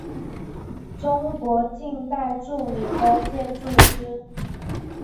中国近代著名的建筑师。